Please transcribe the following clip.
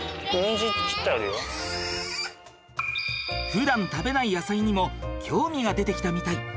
ふだん食べない野菜にも興味が出てきたみたい。